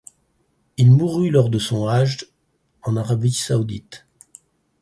Il mourut lors de son hajj en Arabie saoudite.